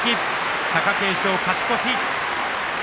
貴景勝、勝ち越しです。